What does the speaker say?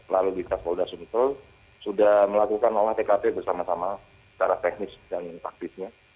lalu di pasporas suntul sudah melakukan olah tkp bersama sama secara teknis dan praktisnya